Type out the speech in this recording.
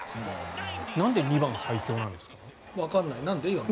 なんで２番最強なんですか？